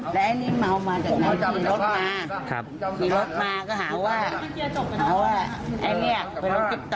เศร้าฮามันคือพี่พวกเรานั่งกินคุยเรื่อง